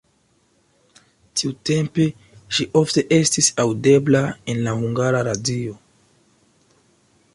Tiutempe ŝi ofte estis aŭdebla en la Hungara Radio.